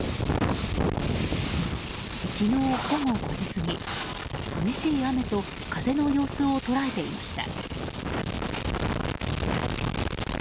昨日午後５時過ぎ激しい雨と風の様子を捉えていました。